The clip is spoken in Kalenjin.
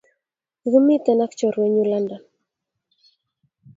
Kikimiten ak chorwenyuk London